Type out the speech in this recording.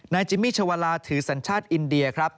นายจิมมี่ชวราถือสัญชาติอินเดีย